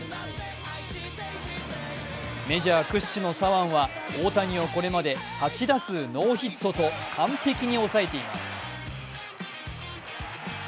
メジャー屈指の左腕は大谷をこれまで８打数ノーヒットと完璧に抑えています。